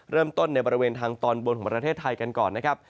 เริ่มต้นในบริเวณทางตอนบนของประเทศไทยกันก่อนนะครับ